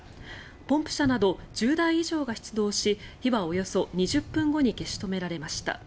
ポンプ車など１０台以上が出動し火はおよそ２０分後に消し止められました。